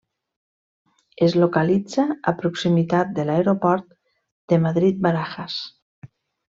Es localitza a proximitat de l'Aeroport de Madrid-Barajas.